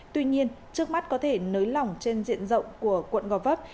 tuy nhiên trước mắt có thể nới lỏng trên diện rộng của quận gò vấp